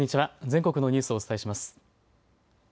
全国のニュースをお伝えします。